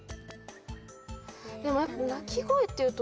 でもやっぱなきごえっていうとね